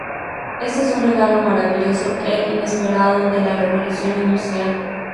Esto es un regalo maravilloso e inesperado de la Revolución industrial.